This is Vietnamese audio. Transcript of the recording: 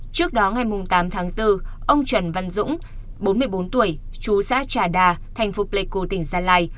trước đó ngày tám tháng bốn ông trần văn dũng bốn mươi bốn tuổi chú xã trà đà thành phố pleiku tỉnh gia lai